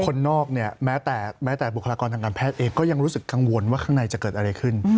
คนนอกเนี่ยแม้แต่แม้แต่บุคลากรทางการแพทย์เองก็ยังรู้สึกกังวลว่าข้างในจะเกิดอะไรขึ้น